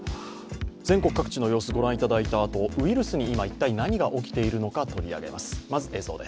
全国各地の様子を御覧いただいたあと、ウイルスに今、一体何が起きているのか、取り上げます。